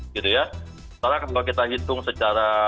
karena kalau kita hitung secara